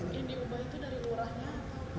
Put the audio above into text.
yang diubah itu dari lurahnya